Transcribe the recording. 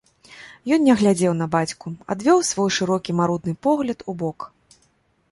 Ён не глядзеў на бацьку, адвёў свой шырокі марудны погляд убок.